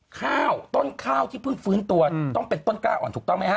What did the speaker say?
ข้าวต้นข้าวที่เพิ่งฟื้นตัวต้องเป็นต้นกล้าอ่อนถูกต้องไหมฮะ